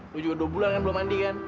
lo juga dua bulan kan belum mandi kan